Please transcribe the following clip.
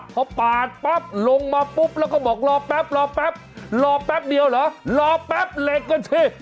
พอปาดปั๊บลงมาปุ๊บแล้วก็บอกรอแป๊บรอแป๊บรอแป๊บเดียวเหรอรอแป๊บเหล็กกันสิ